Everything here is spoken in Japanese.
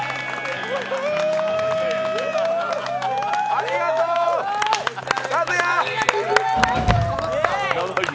ありがとう、和弥。